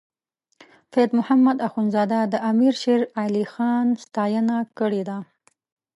فیض محمد اخونزاده د امیر شیر علی خان ستاینه کړې ده.